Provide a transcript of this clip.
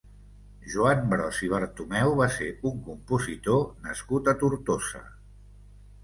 Joan Bros i Bertomeu va ser un compositor nascut a Tortosa.